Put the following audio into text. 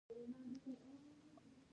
د بیات قومونه په غزني کې دي